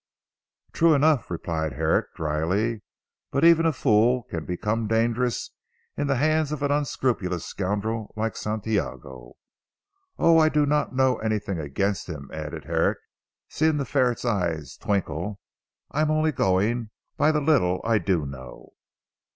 "True enough," replied Herrick dryly, "but even a fool can become dangerous in the hands of an unscrupulous scoundrel like Santiago. Oh, I do not know anything against him," added Herrick seeing the ferret's eyes twinkle. "I am only going by the little I do know."